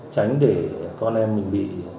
tránh để con em mình bị